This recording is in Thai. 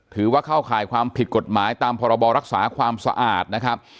ถือว่าเข้าข่ายความผิดกฎหมายตามพรบรักษาความสะอาดนะครับ